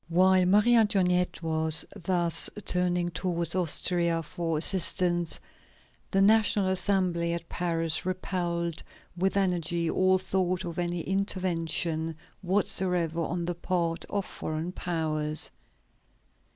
While Marie Antoinette was thus turning towards Austria for assistance, the National Assembly at Paris repelled with energy all thought of any intervention whatsoever on the part of foreign powers.